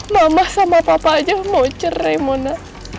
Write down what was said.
mama sama papa aja mau cerai mana